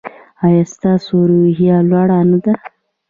ایا ستاسو روحیه لوړه نه ده؟